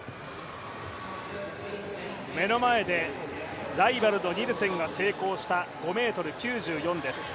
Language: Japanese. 目の前でライバルのニルセンが成功した５ｍ９４です。